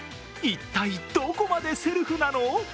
一体どこまでセルフなの？